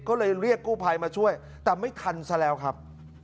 ก็เลยเรียกกู้ภัยมาช่วยแต่ไม่ทันซะแล้วครับ